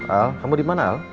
al kamu dimana al